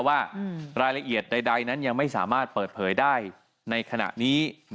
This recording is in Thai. ว่ารายละเอียดใดนั้นยังไม่สามารถเปิดเผยได้ในขณะนี้